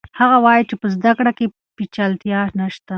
هغه وایي چې په زده کړه کې پیچلتیا نشته.